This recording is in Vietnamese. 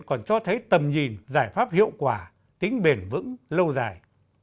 còn cho thấy tầm nhìn giải pháp hiệu quả tính bền vững lâu dài